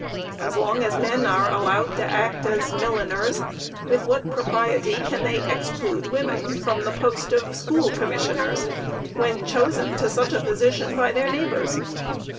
As long as men are allowed to act as milliners, with what propriety can they exclude women from the post of school commissioners when chosen to such positions by their neighbors?